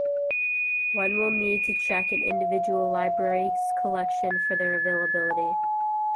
One will need to check an individual library's collection for their availability.